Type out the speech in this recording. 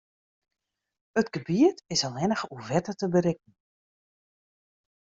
It gebiet is allinnich oer wetter te berikken.